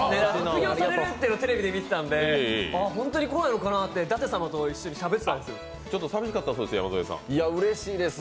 卒業されるってテレビで見てたんでホントに来ないのかなって舘様と一緒にしゃべってたんです。